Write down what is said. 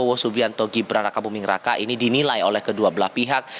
prabowo subianto gibran raka buming raka ini dinilai oleh kedua belah pihak